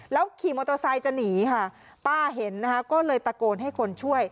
ขี่มอเตอร์ไซค์จะหนีค่ะป้าเห็นนะคะก็เลยตะโกนให้คนช่วย